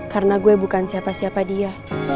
karena gue bukan siapa siapa dia